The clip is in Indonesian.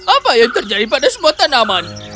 apa yang terjadi pada semua tanaman